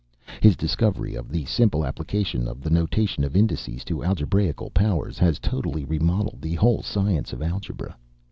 His discovery of the simple application of the notation of indices to algebraical powers, has totally remodelled the whole science of algebra.